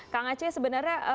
kak nga c sebenarnya